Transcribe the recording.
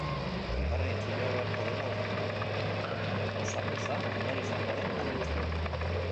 Bigarren itzulia beharko dela uste du, hurrengo auzapeza nor izango den argitzeko.